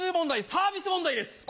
サービス問題です